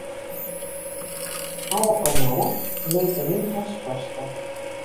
Ara com ara, no hi tenim resposta.